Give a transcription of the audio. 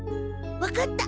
分かった。